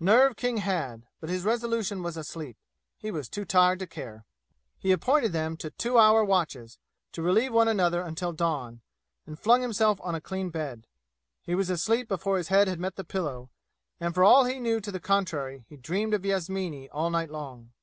Nerve King had, but his resolution was asleep. He was too tired to care. He appointed them to two hour watches, to relieve one another until dawn, and flung himself on a clean bed. He was asleep before his head had met the pillow; and for all he knew to the contrary he dreamed of Yasmini all night long.